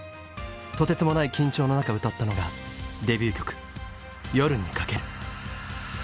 とてつもない緊張の中歌ったのがデビュー曲「夜に駆ける」。